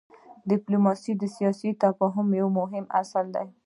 ډيپلوماسي د سیاسي تفاهم یو مهم اصل دی.